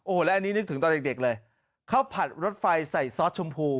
แล้วอันนี้นึกถึงตอนเด็กเลยข้าวผัดรถไฟใส่ซอสชมพู